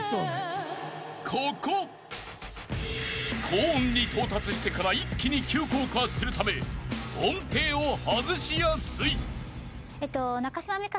［高音に到達してから一気に急降下するため音程を外しやすい］